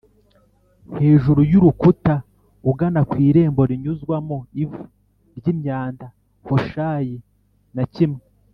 hejuru y urukuta ugana ku Irembo rinyuzwamo ivu ry imyanda Hoshaya na kimwe